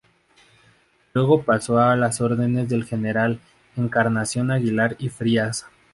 Luego pasó a las órdenes del general Encarnación Aguilar y Frías.